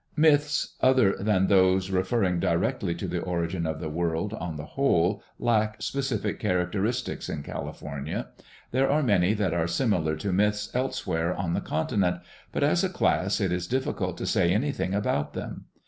Myths other than those referring directly to the origin of the world on the whole lack specific characteristics in California. There are many that are similar to myths elsewhere on the continent; but as a class it is difficult to say anything about them.